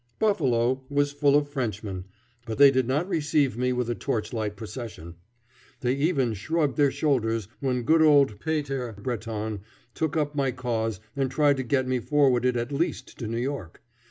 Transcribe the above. Buffalo was full of Frenchmen, but they did not receive me with a torchlight procession. They even shrugged their shoulders when good old Pater Bretton took up my cause and tried to get me forwarded at least to New York.